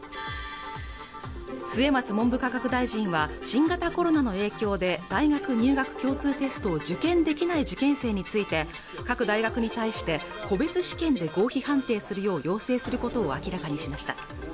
末松文部科学大臣は新型コロナの影響で大学入学共通テストを受験できない受験生について各大学に対して個別試験で合否判定するよう要請することを明らかにしました